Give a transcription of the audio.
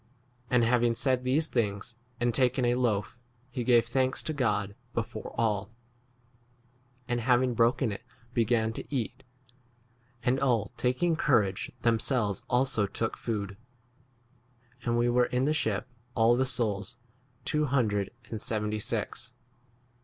x And, having said these things and taken a loaf, he gave thanks to God before all, and having broken it began 36 to eat. And all taking courage, 3 7 themselves also took food. And we were in the ship, all the souls, 88 two hundred and seventy six.